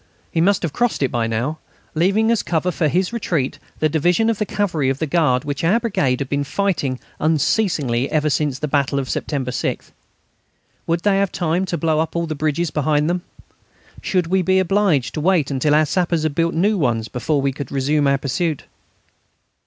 He must have crossed it now, leaving as cover for his retreat the division of the Cavalry of the Guard which our brigade had been fighting unceasingly ever since the battle of September 6. Would they have time to blow up all the bridges behind them? Should we be obliged to wait until our sappers had built new ones before we could resume our pursuit?